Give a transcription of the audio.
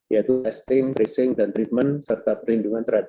yaitu testing tracing dan treatment serta perlindungan terhadap